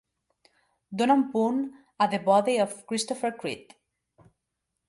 Dona un punt a The Body of Christopher Creed